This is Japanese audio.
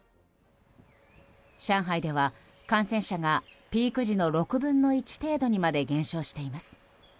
上海では感染者がピーク時の６分の１程度にまで減少しています。